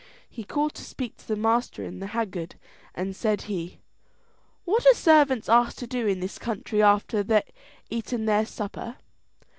He called to speak to the master in the haggard, and said he, "What are servants asked to do in this country after aten their supper?"